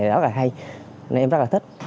rất là hay em rất là thích